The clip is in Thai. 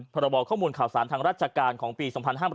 ระบุข้อมูลข่าวสารทางราชการของปี๒๕๕๘